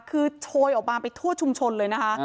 คือโชยออกมาไปทั่วชุมชนเลยนะคะ